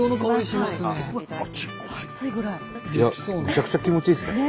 めちゃくちゃ気持ちいいですね。